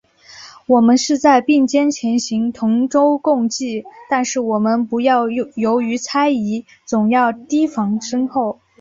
我们是在并肩前行，同舟共济，但是我们不要由于猜疑，总要提防身后。